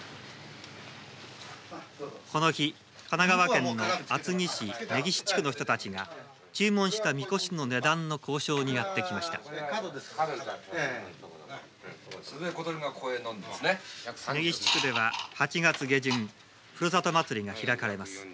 この日神奈川県の厚木市根岸地区の人たちが注文したみこしの値段の交渉にやって来ました根岸地区では８月下旬ふるさと祭りが開かれます。